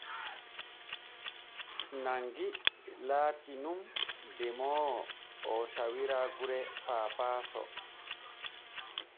Nangi laati nun demoowo o tawira gure Paapaaso.